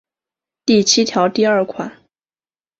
第七条第二款